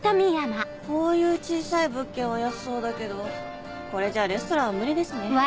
こういう小さい物件は安そうだけどこれじゃあレストランは無理ですね。